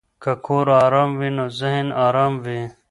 که کور آرام وي نو ذهن آرام وي.